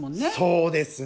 そうですね。